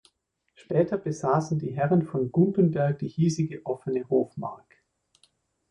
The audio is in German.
Später besaßen die Herren von Gumppenberg die hiesige offene Hofmark.